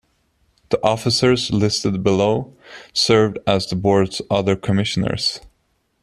The officers listed below served as the board's other commissioners.